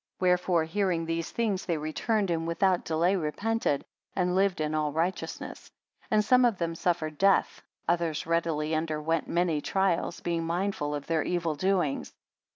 78 Wherefore hearing these things they returned, and without delay repented, and lived in all righteousness. And some of them suffered death: others readily underwent many trials, being mindful of their evil doings.